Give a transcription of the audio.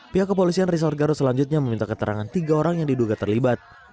pihak kepolisian resort garut selanjutnya meminta keterangan tiga orang yang diduga terlibat